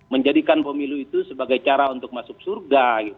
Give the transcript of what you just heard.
menjadikan pemilu itu sebagai cara untuk masuk surga